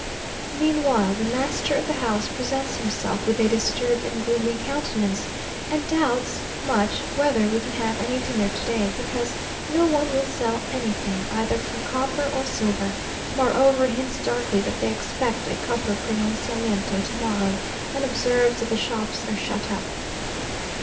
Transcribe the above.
Meanwhile the master of the house presents himself with a disturbed and gloomy countenance, and doubts much whether we can have any dinner to day, because no one will sell anything, either for copper or silver; moreover hints darkly that they expect a copper pronuniciamiento to morrow; and observes that the shops are shut up.